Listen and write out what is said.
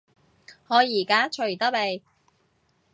我依家除得未？